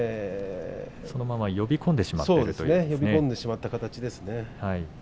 そのまま呼び込んでしまっていると。